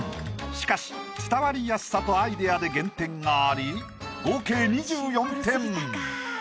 しかし伝わりやすさとアイデアで減点があり合計２４点。